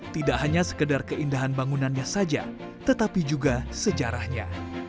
tidak hanya sekedar keindahan bangunannya saja tetapi juga sejarahnya